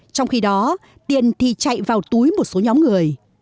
trong khi đó tiền thì chạy vào túi một số nhóm người